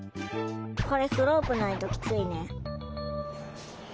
これスロープないときついね。